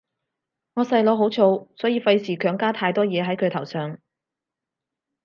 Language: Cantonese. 我細佬好燥，所以費事強加太多嘢係佢頭上